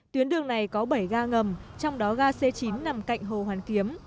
tuyến đường này có bảy ga ngầm trong đó ga c chín nằm cạnh hồ hoàn kiếm